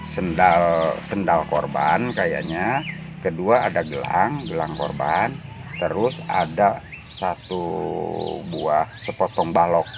sendal korban kayaknya kedua ada gelang gelang korban terus ada satu buah sepotong balok